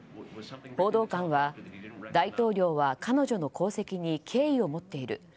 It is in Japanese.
報道官は大統領は彼女の功績に経緯を持っている。